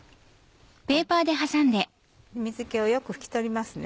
水気をよく拭き取りますね。